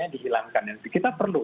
dihilangkan kita perlu